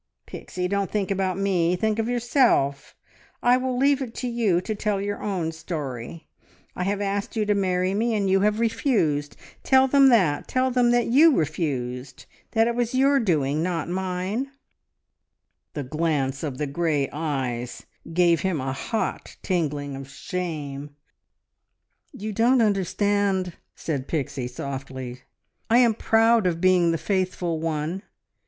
"Pixie, don't think about me ... think of yourself! I will leave it to you to tell your own story. I have asked you to marry me, and you have refused. ... Tell them that ... tell them that you refused, that it was your doing, not mine " The glance of the grey eyes gave him a hot tingling of shame. "You don't understand," said Pixie softly. "I am proud of being the faithful one!